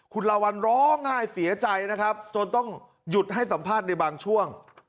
คุณลาวัลร้องไห้เสียใจนะครับจนต้องหยุดให้สัมภาษณ์ในบางช่วง